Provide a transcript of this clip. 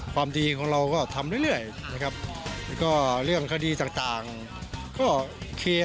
ความดีของเราก็ทำเรื่อยนะครับก็เรื่องคดีต่างต่างก็เคลียร์